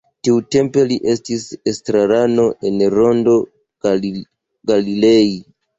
Tiutempe li estis estrarano en Rondo Galilei.